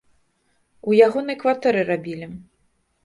У ягонай кватэры рабілі.